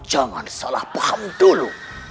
jangan salah paham dulu